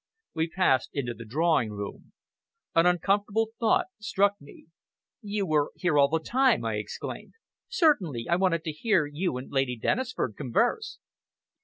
We passed into the drawing room. An uncomfortable thought struck me. "You were here all the time!" I exclaimed. "Certainly! I wanted to hear you and Lady Dennisford converse!"